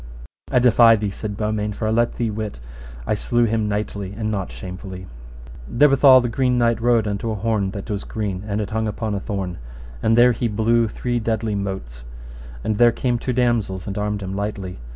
I defy thee, said Beaumains, for I let thee wit I slew him knightly and not shamefully. Therewithal the Green Knight rode unto an horn that was green, and it hung upon a thorn, and there he blew three deadly motes, and there came two damosels and armed him lightly.